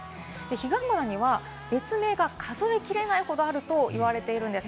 ヒガンバナには別名が数え切れないほどあると言われているんです。